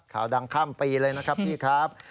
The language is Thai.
ข่าวดังข้ามปีเลยนะครับพี่ครับ